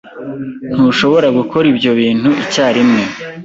Ntushobora gukora ibyo bintu icyarimwe.